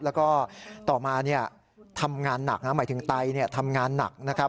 แล้วก็ต่อมาทำงานหนักนะหมายถึงไตทำงานหนักนะครับ